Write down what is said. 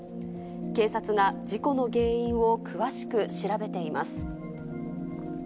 警察が事故の原因を詳しく調べています。